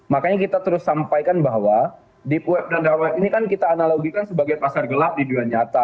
makanya kita terus sampaikan bahwa deepweb dan darkweb ini kan kita analogikan sebagai pasar gelap di dunia nyata